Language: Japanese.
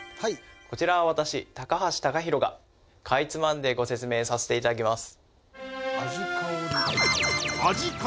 こちらは私橋貴洋がかいつまんでご説明させていただきます